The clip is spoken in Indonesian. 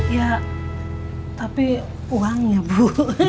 ya tapi uangnya bu